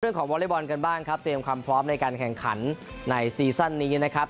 วอเล็กบอลกันบ้างครับเตรียมความพร้อมในการแข่งขันในซีซั่นนี้นะครับ